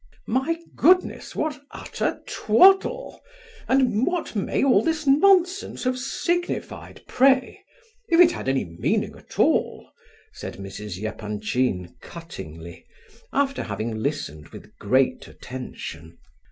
"My goodness, what utter twaddle, and what may all this nonsense have signified, pray? If it had any meaning at all!" said Mrs. Epanchin, cuttingly, after having listened with great attention.